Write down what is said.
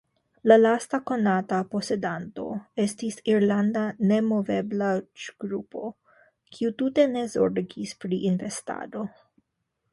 La lasta konata posedanto estis irlanda nemoveblaĵgrupo kiu tute ne zorgis pri investado.